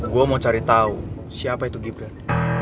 gue mau cari tahu siapa itu gibran